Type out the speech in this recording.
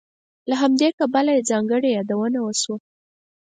له همدې کبله یې ځانګړې یادونه وشوه.